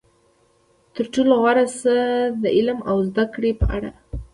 تر ټولو غوره څه د علم او زده کړې په اړه.